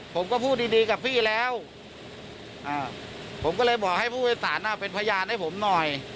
ผมก็พูดดีดีกับพี่แล้วผมก็เลยบอกให้ผู้โดยสารเป็นพยานให้ผมหน่อย